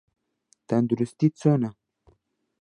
تەندروستیت چۆنە؟